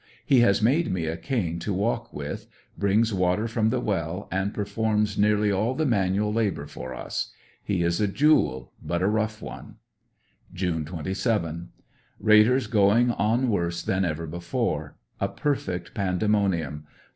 He has made me a cane to walk with, brings water from the well, and per 72 ANDEBSONYILLE DIARY. forms nearly all the manual labor for us. He is a jewel, but a rough one. June 27. — Raiders going on worse than ever before. A perfect pandemonium.